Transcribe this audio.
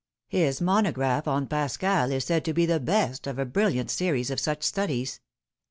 His monograph on Pascal is said to be the best of a brilliant series of such studies."